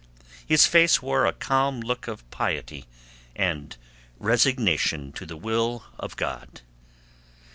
His face wore a calm look of piety and resignation to the will of God.